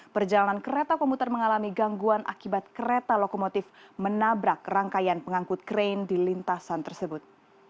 perjalanan kereta komuter mengalami gangguan akibat kereta lokomotif menabrak rangkaian pengangkut krain di lintasan tersebut